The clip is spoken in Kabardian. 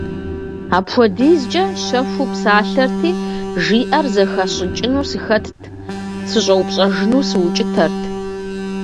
АпхуэдизкӀэ щэхуу псалъэрти, жиӏэр зэхэсщӏыкӏыну сыхэтт, сыщӀэупщӀэжыну сыукӏытэрт.